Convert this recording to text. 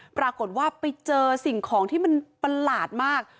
ปรากฏว่าไปเจอสิ่งของที่มันประหลาดมาก